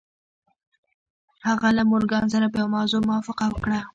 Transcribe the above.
هغه له مورګان سره په یوه موضوع موافقه وکړه